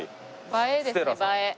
映えですね映え。